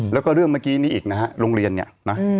แล้วก็เรื่องเมื่อกี้นี้อีกนะฮะโรงเรียนเนี่ยนะ